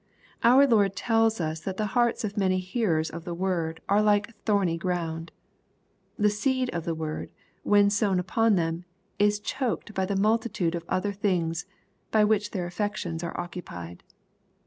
Our Lord tells us that the hearts of many hearers of the word are like thorny ground. The seed of the word, when sown upon them, is choked by the multitude of other things, by which their affections are occupied.